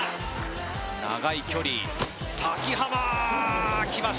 長い距離崎濱きました！